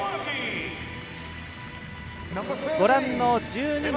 ご覧の１２人